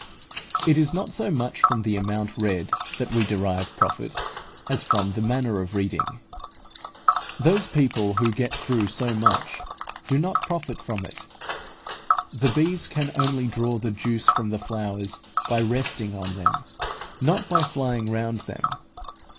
It is not so much from the amount read that we derive profit, as from the manner of reading. Those people who get through so much do not profit from it; the bees can only draw the juice from the flowers by resting on them, not by flying round them.